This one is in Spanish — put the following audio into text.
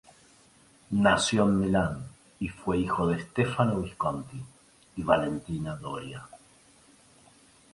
Nació en Milán, y fue hijo de Stefano Visconti y Valentina Doria.